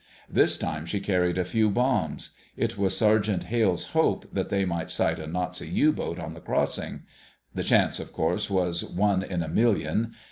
This time she carried a few bombs. It was Sergeant Hale's hope that they might sight a Nazi U boat on the crossing. The chance, of course, was one in a million.